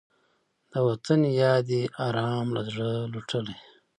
د وطن یاد دې ارام له زړه لوټلی